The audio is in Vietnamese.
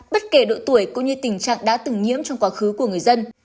bất kể độ tuổi cũng như tình trạng đã từng nhiễm trong quá khứ của người dân